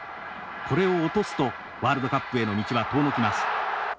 これを落とすとワールドカップへの道は遠のきます。